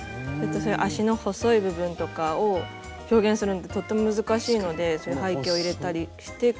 足の細い部分とかを表現するのってとっても難しいのでそういう背景を入れたりして工夫しました。